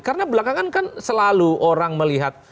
karena belakangan kan selalu orang melihat